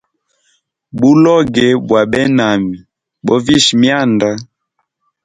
Buloge bwa benami, bovisha mianda.